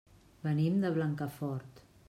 Venim de Blancafort.